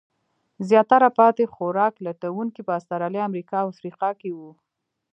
زیاتره پاتې خوراک لټونکي په استرالیا، امریکا او افریقا کې وو.